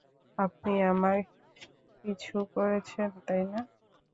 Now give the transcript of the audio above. আপনি আমার পিছু করেছেন, তাই না?